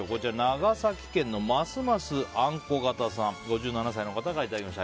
長崎県の５７歳の方からいただきました。